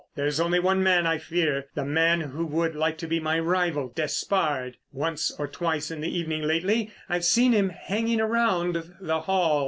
There's only one man I fear: the man who would like to be my rival—Despard. Once or twice in the evening lately I've seen him hanging around The Hall.